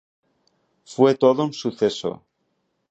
Fue todo un suceso.